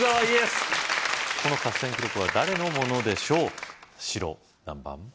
この合戦記録は誰のものでしょう白何番？